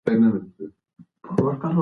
جمله په کراره کراره وايه